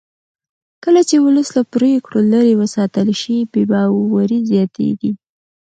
کله چې ولس له پرېکړو لرې وساتل شي بې باوري زیاتېږي